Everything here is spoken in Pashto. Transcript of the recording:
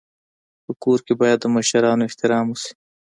په کور کي باید د مشرانو احترام وسي.